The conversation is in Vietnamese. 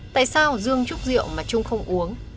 tại sao dương chúc rượu mà trung không uống